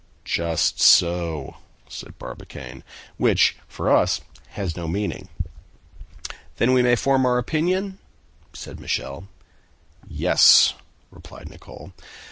"Just so," said Barbicane, "which for us has no meaning." "Then we may form our opinion?" said Michel. "Yes," replied Nicholl.